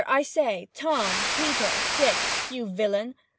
I say—Tom!—Peter!—Dick, you villain!